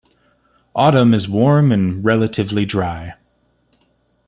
Autumn is warm and relatively dry.